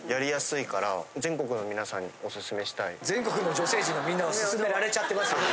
全国の女性陣のみんなはすすめられちゃってますよね。